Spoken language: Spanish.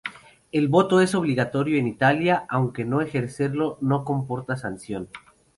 El voto es obligatorio en Italia, aunque no ejercerlo no comporta sanción.